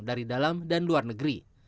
dari dalam dan luar negeri